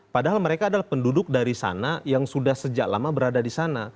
padahal mereka adalah penduduk dari sana yang sudah sejak lama berada di sana